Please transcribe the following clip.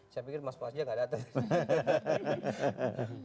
saya pikir mas bagja gak datang